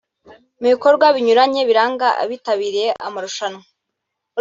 Mu bikorwa binyuranye biranga abitabiriye amarushanwa